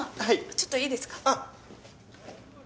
ちょっといいですか？